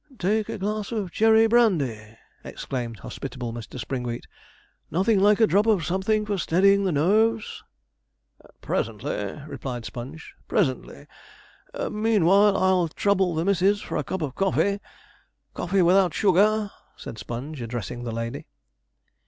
'Take a glass of cherry brandy,' exclaimed the hospitable Mr. Springwheat: 'nothing like a drop of something for steadying the nerves.' 'Presently,' replied Sponge, 'presently; meanwhile I'll trouble the missis for a cup of coffee. Coffee without sugar,' said Sponge, addressing the lady.